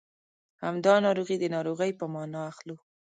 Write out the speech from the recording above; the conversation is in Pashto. همدا ناروغي د ناروغۍ په مانا اخلو.